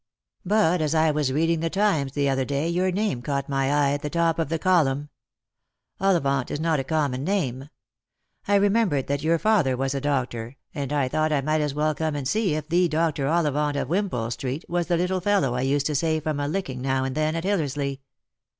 But as I was reading the Times the other day your name caught my eye at the top of a column. Ollivaut is not a common name. I remembered that your father was a doctor, and I thought I might as well come and see if the Dr. Ollivant of 14s Lost for Love. Wimpole street was the little fellow I used to save from a licking now and then at Hillersley."